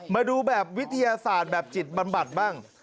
มาดูแบบวิทยาศาสตร์แบบจิตบำบัดบ้าง